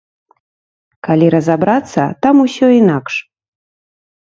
Калі разабрацца, там усё інакш.